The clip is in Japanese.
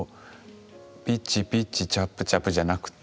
「ピッチピッチチャップチャップ」じゃなくて。